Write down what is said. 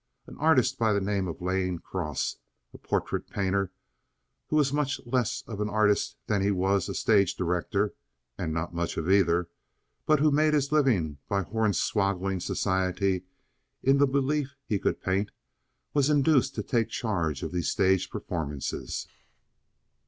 An artist by the name of Lane Cross, a portrait painter, who was much less of an artist than he was a stage director, and not much of either, but who made his living by hornswaggling society into the belief that he could paint, was induced to take charge of these stage performances.